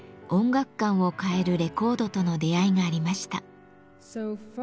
楽観を変えるレコードとの出会いがありました。